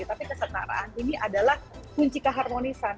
tapi kesetaraan ini adalah kunci keharmonisan